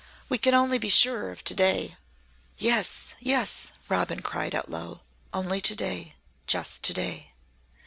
We can only be sure of to day " "Yes yes," Robin cried out low. "Only to day just to day."